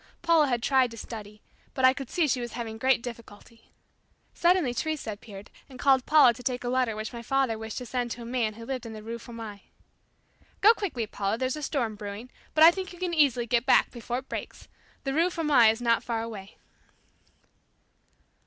Paula had tried to study, but I could see she was having great difficulty. Suddenly Teresa appeared and called Paula to take a letter which my father wished to send to a man who lived in the Rue Fourmi. "Go quickly, Paula, there's a storm brewing, but I think you can easily get back before it breaks. The Rue Fourmi is not far away."